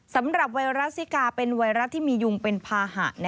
สำหรับวัยรัฐสิกาเป็นวัยรัฐที่มียุมเป็นพาหะ